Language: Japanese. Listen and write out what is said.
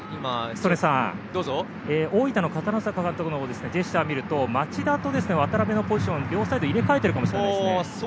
曽根さん、大分の片野坂監督のジェスチャーを見ると町田と渡邉のポジション両サイド入れ替えているかもしれません。